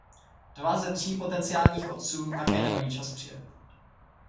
Dva ze tří potenciálních otců také nemají čas přijet.